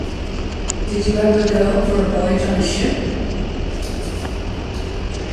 Did you ever go for a voyage on a ship?